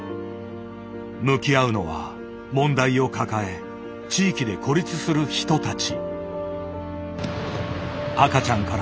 向き合うのは問題を抱え地域で孤立する人たち。